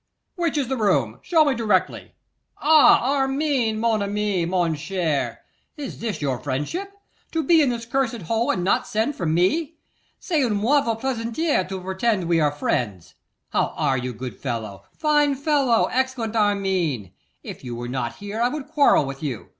'Which is the room? Show me directly. Ah! Armine, mon ami! mon cher! Is this your friendship? To be in this cursed hole, and not send for me! C'est une mauvaise plaisanterie to pretend we are friends! How are you, good fellow, fine fellow, excellent Armine? If you were not here I would quarrel with you.